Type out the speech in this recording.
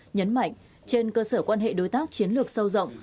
nhấn mạnh trên cơ sở quan hệ đối tác chiến lược sâu rộng